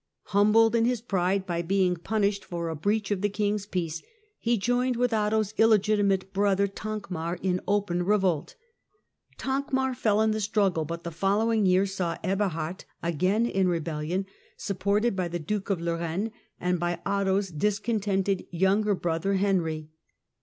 Humbled in his pride by being punished for a breach of the king's peace, lie joined with Otto's illegitimate brother Thankmar in open revolt. Thankmar fell in the struggle, but the following year saw Eberhard again in rebellion, supported by the Duke of Lorraine and by Otto's discontented younger brother Henry.